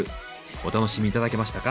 お楽しみ頂けましたか？